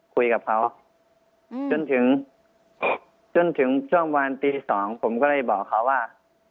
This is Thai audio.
คุยกับเขาจนถึงจนถึงช่วงประมาณตีสองผมก็เลยบอกเขาว่า